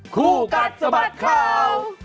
ฮูกัลสมัครเขา